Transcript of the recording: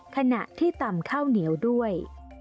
ขณะที่ตำข้าวเหนียวด้วย